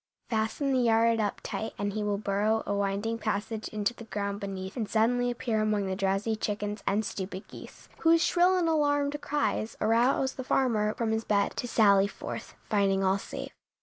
Fasten the yard up tight and he will burrow a winding passage into the ground beneath and suddenly appear among the drowsy chickens and stupid geese, whose shrill and alarmed cries arouse the farmer from his bed to sally forth, finding all safe.